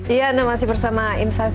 iya anda masih bersama insight